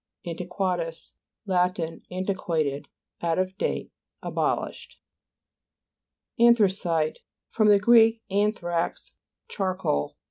p. 160. AxTiauA'Tus Lat. Antiquated, out of date, abolished. ANTHRACITE fr. gr. anthrax, char coal.